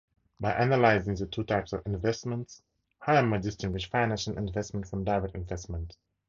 By analyzing the two types of investments Hymer distinguished financial investment from direct investment.